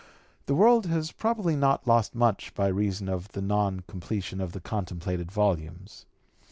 The world has (p. 222) probably not lost much by reason of the non completion of the contemplated volumes.